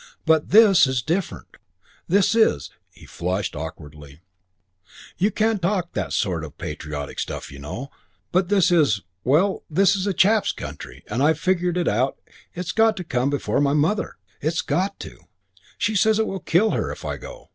But this is different. This is " He flushed awkwardly "you can't talk that sort of patriotic stuff, you know, but this is, well this is a chap's country, and I've figured it out it's got to come before my mother. It's got to. She says it will kill her if I go.